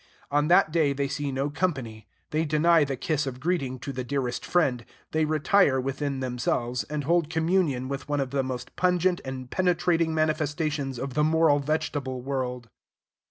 On that day they see no company; they deny the kiss of greeting to the dearest friend; they retire within themselves, and hold communion with one of the most pungent and penetrating manifestations of the moral vegetable world.